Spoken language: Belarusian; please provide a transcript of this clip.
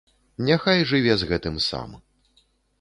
Няхай жыве з гэтым сам.